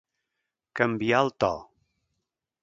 Canviar el to.